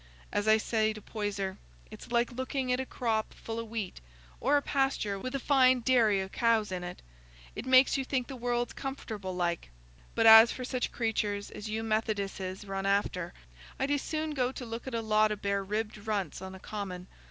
As I say to Poyser, it's like looking at a full crop o' wheat, or a pasture with a fine dairy o' cows in it; it makes you think the world's comfortable like. But as for such creaturs as you Methodisses run after, I'd as soon go to look at a lot o' bare ribbed runts on a common.